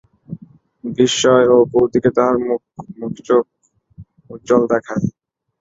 বিস্ময় ও কৌতুকে তাহার মুখচোখ উজ্জ্বল দেখায়!